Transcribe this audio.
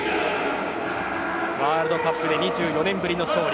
ワールドカップで２４年ぶりの勝利